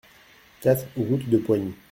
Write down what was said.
quatre route de Poigny